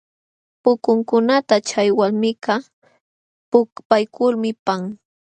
Pukunkunata chay walmikaq pukpaykulmi paqan.